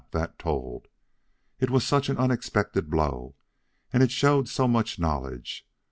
that told. It was such an unexpected blow; and it showed so much knowledge.